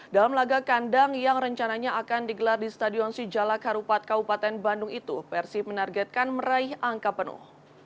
dalam laga kandang yang rencananya akan digelar di stadion sijalak harupat kabupaten bandung itu persib menargetkan meraih angka penuh